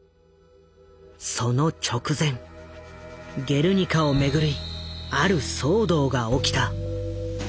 その直前「ゲルニカ」を巡りある騒動が起きた。